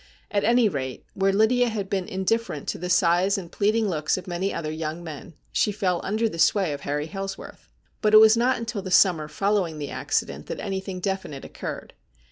At any rate, where Lydia had been indifferent to the sighs and pleading looks of many other young men, she fell under the sway of Harry Hailsworth. But it was not until the summer following the accident that anything definite occurred.